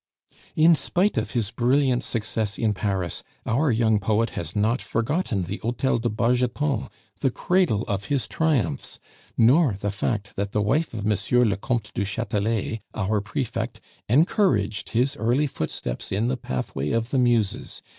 "In spite of his brilliant success in Paris, our young poet has not forgotten the Hotel de Bargeton, the cradle of his triumphs; nor the fact that the wife of M. le Comte du Chatelet, our Prefect, encouraged his early footsteps in the pathway of the Muses.